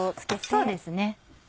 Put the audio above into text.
そうですね。